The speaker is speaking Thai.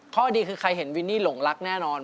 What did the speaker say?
ข้อดีคือใครเห็นวินนี่หลงรักแน่นอน